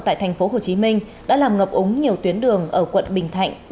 tại thành phố hồ chí minh đã làm ngập úng nhiều tuyến đường ở quận bình thạnh